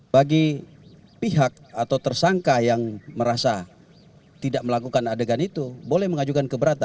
bagi pihak atau tersangka yang merasa tidak melakukan adegan itu boleh mengajukan keberatan